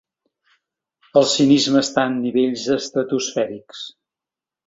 El cinisme està en nivells estratosfèrics.